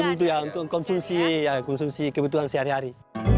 untuk konsumsi ya konsumsi kebutuhan sehari hari